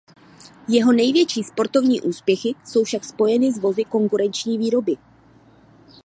Jeho největší sportovní úspěchy jsou však spojeny s vozy konkurenční výroby.